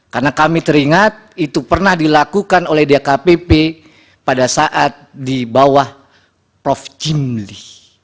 karena kami teringat itu pernah dilakukan oleh dkpp pada saat di bawah prof jimli